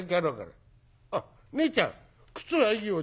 あっねえちゃん靴はいいよ